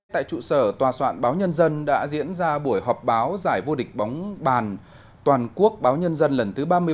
tại trụ sở tòa soạn báo nhân dân đã diễn ra buổi họp báo giải vô địch bóng bàn toàn quốc báo nhân dân lần thứ ba mươi bảy